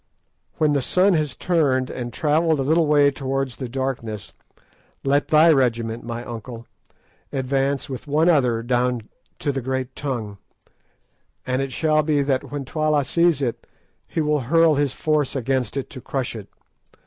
When the sun has turned and travelled a little way towards the darkness, let thy regiment, my uncle, advance with one other down to the green tongue, and it shall be that when Twala sees it he will hurl his force at it to crush it.